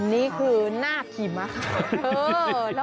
นี่คือหน้าขี่ม้าขาว